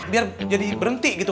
biar jadi berhenti gitu